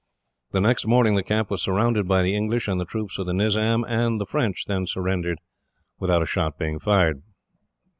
The next morning the camp was surrounded by the English and the troops of the Nizam, and the French then surrendered without a shot being fired.